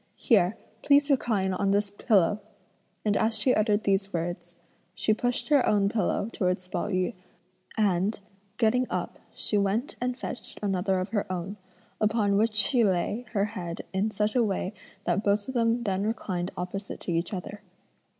here, please recline on this pillow!" and as she uttered these words, she pushed her own pillow towards Pao yü, and, getting up she went and fetched another of her own, upon which she lay her head in such a way that both of them then reclined opposite to each other.